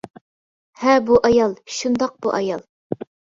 ھە بۇ ئايال، شۇنداق بۇ ئايال.